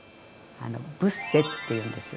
あのブッセっていうんですよ。